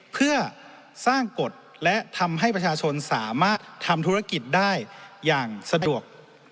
เพื่อสร้างกฎและทำให้ประชาชนสามารถทำธุรกิจได้อย่างสะดวก